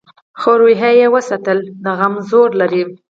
خو روحیه یې وساتله؛ د غم زور لري.